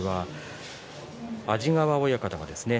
安治川親方ですね。